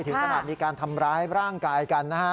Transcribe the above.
ถึงขนาดมีการทำร้ายร่างกายกันนะฮะ